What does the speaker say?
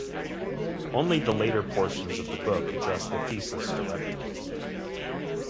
Only the later portions of the book address the thesis directly.